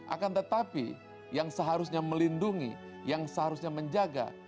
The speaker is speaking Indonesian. akan tetapi yang seharusnya melindungi yang seharusnya menjaga